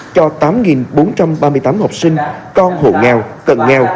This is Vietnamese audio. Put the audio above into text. cho tám bốn trăm ba mươi tám học sinh con hộ nghèo cận nghèo